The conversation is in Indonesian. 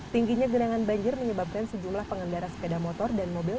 tingginya genangan banjir menyebabkan sejumlah pengendara sepeda motor dan mobil